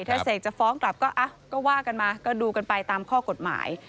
ถ้าเสกจะฟ้องกลับก็ว่ากันมาก็ดูกันไปตามข้อกฎหมาย